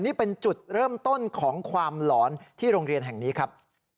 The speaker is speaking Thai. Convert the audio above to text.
นี่เป็นจุดเริ่มต้นของความหลอนที่โรงเรียนแห่งนี้ครับ